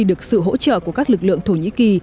được sự hỗ trợ của các lực lượng thổ nhĩ kỳ